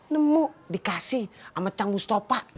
nemu dikasih ama cang mustafa